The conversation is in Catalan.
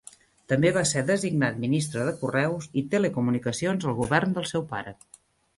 També va ser designat ministre de Correus i Telecomunicacions al govern del seu pare.